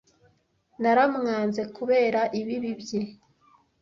Naramwanze kubera ibibi bye